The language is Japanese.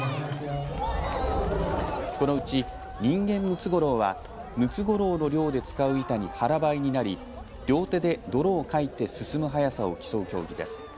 このうち、人間むつごろうはムツゴロウの漁で使う板に腹ばいになり両手で泥をかいて進む速さを競う競技です。